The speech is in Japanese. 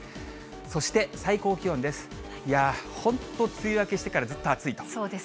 そして、最高気温です。